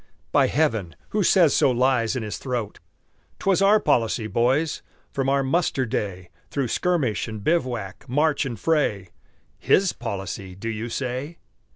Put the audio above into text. By heaven, who says so lies in his throat! 'Twas our policy, boys, from our muster day, Through skirmish and bivouac, march and fray "His policy," do you say?